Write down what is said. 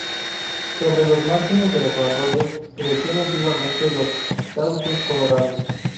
Sobre los márgenes de los arroyos crecían antiguamente los sauces colorados.